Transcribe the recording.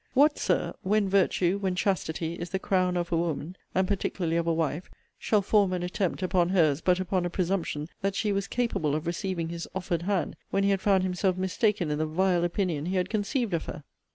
What, Sir! when virtue, when chastity, is the crown of a woman, and particularly of a wife, shall form an attempt upon her's but upon a presumption that she was capable of receiving his offered hand when he had found himself mistaken in the vile opinion he had conceived of her?